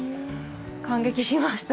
感激しました。